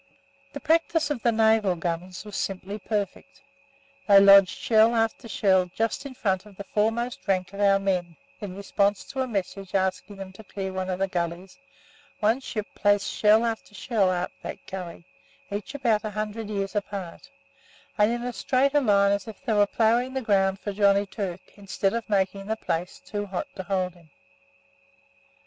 The practice of the naval guns was simply perfect. They lodged shell after shell just in front of the foremost rank of our men; in response to a message asking them to clear one of the gullies, one ship placed shell after shell up that gully, each about a hundred yards apart, and in as straight a line as if they were ploughing the ground for Johnny Turk, instead of making the place too hot to hold him.